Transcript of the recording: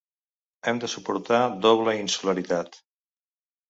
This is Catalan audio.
Hem de suportar doble insularitat.